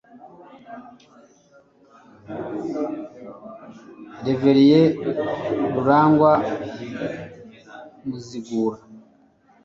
Reverien Rurangwa Muzigura